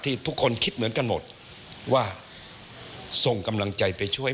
ทุกคนคิดเหมือนกันหมดว่าส่งกำลังใจไปช่วย